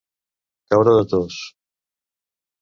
Caure de tos.